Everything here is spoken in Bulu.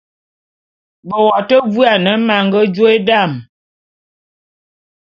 Ve wo te vuane ma nge jôe dam.